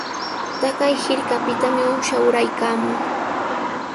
Taqay hirkapitami uusha uraykaamun.